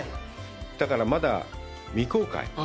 だからまだ未公開。